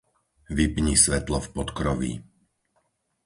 Vypni svetlo v podkroví.